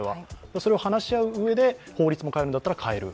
それを話し合ううえで法律も変えるんだったら変える。